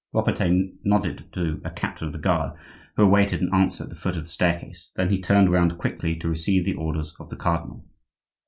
Robertet nodded to a captain of the guard, who awaited an answer at the foot of the staircase; then he turned round quickly to receive the orders of the cardinal.